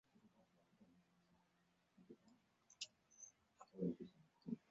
厦门大学刘海峰则认为博饼从北方流行过的状元筹演化而来。